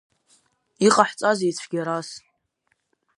Иҟаҳҵазеи цәгьарас?